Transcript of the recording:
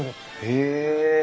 へえ。